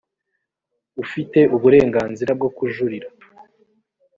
ufite uburenganzira bwo kujurira